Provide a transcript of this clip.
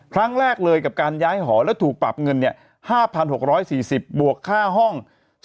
ครั้งแรกเลยกับการย้ายหอและถูกปรับเงิน๕๖๔๐บวกค่าห้อง